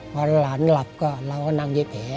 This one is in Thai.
พอหลานหลับก็เราก็นั่งเย็บแผล